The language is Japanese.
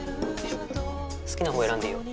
好きなほうを選んでいいよ。